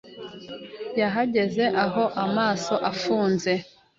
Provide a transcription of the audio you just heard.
Yahagaze aho amaso afunze.